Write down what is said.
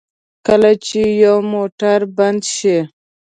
کله چې یو موټر بند شي.